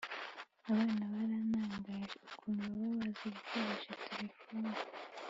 Abana baranangaje ukuntu baba bazi gukoresha telephoni